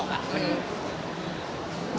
น้องเข้าไปสัมภาษณ์เดี๋ยวเล่ารีเทลไว้นะ